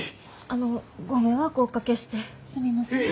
あのご迷惑をおかけしてすみません。